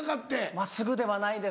まぁすぐではないですね。